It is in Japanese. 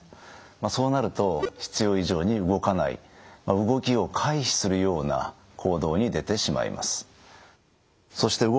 そうなると必要以上に動かない動きを回避するような行動に出てしまいます。